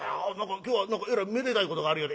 今日は何かえらいめでたいことがあるようで」。